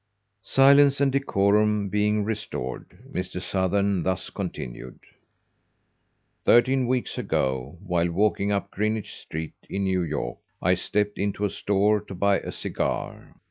Silence and decorum being restored, Mr. Sothern thus continued: "Thirteen weeks ago, while walking up Greenwich Street, in New York, I stepped into a store to buy a cigar.